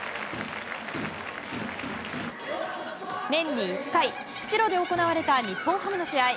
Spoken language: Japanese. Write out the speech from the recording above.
年に１回、釧路で行われた日本ハムの試合。